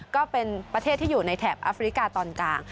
ก็เป็นประเทศที่อยู่ในแถบแอฟริกาตอนกลาง